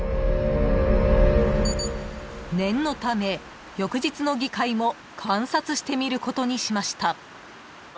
［念のため翌日の議会も観察してみることにしました］